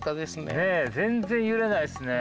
ねっ全然揺れないですね。